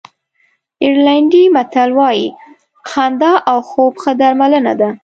آیرلېنډي متل وایي خندا او خوب ښه درملنه ده.